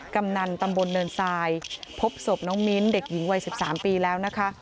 กำนันตำบลเนินทรายพบศพน้องมิ้นเด็กหญิงวัย๑๓ปีแล้วนะคะ